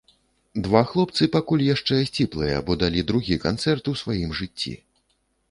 Два хлопцы, пакуль яшчэ сціплыя, бо далі другі канцэрт у сваім жыцці.